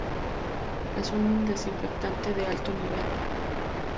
Es un desinfectante de alto nivel.